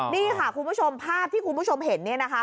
นี่ค่ะคุณผู้ชมภาพที่คุณผู้ชมเห็นเนี่ยนะคะ